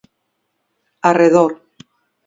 Arredor.